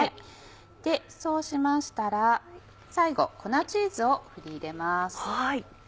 そうしましたら最後粉チーズを振り入れます。